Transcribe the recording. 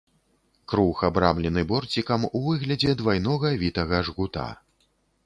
Круг абрамлены борцікам у выглядзе двайнога вітага жгута.